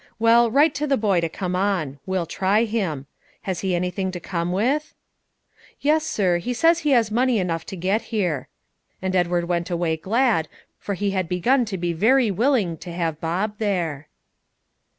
Well, write to the boy to come on; we'll try him. Has he anything to come with?" "Yes, sir, he says he has money enough to get here." And Edward went away glad, for he had begun to be very willing to have Bob there.